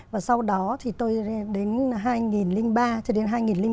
và sau đó thì tôi đến hai nghìn ba cho đến hai nghìn bốn